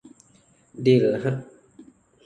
ดีลฮะ